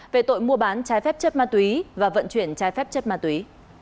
về tội mua bán trái phép chất ma túy và vận chuyển trái phép chất ma túy